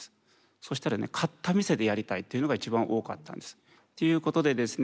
そしたらね買った店でやりたいっていうのが一番多かったんです。ということでですね